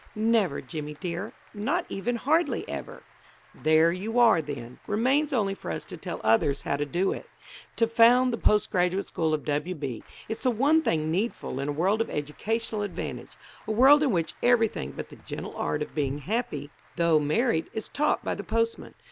"Never, Jimmy, dear; not even hardly ever." "There you are, then. Remains only for us to tell others how to do it; to found the Post Graduate School of W. B. It's the one thing needful in a world of educational advantage; a world in which everything but the gentle art of being happy, though married, is taught by the postman.